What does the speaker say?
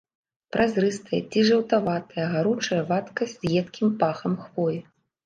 Празрыстая ці жаўтаватая гаручая вадкасць з едкім пахам хвоі.